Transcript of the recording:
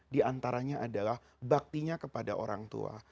di antaranya adalah baktinya kepada orang tua